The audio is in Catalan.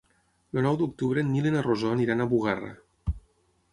El nou d'octubre en Nil i na Rosó aniran a Bugarra.